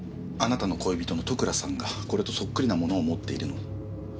あなたの恋人の戸倉さんがこれとそっくりなものを持っているのを。